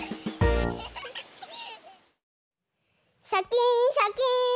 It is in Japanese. シャキーンシャキーン！